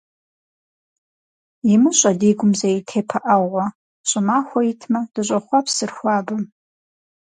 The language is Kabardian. ИмыщӀэ ди гум зэи тепыӀэгъуэ, ЩӀымахуэ итмэ, дыщӀохъуэпсыр хуабэм.